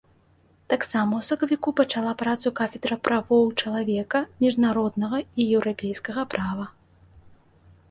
Таксама ў сакавіку пачала працу кафедра правоў чалавека, міжнароднага і еўрапейскага права.